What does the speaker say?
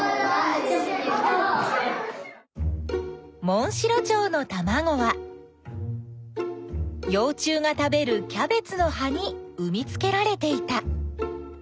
モンシロチョウのたまごはよう虫が食べるキャベツのはにうみつけられていた。